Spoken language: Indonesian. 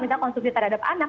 misalnya konsumsi terhadap anak